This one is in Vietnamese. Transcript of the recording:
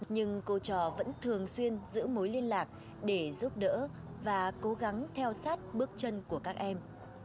nhưng cô trò vẫn thường xuyên giữ mối liên lạc để giúp đỡ và cố gắng theo sát bước chân của các em